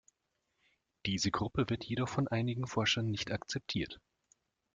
Diese Gruppe wird jedoch von einigen Forschern nicht akzeptiert.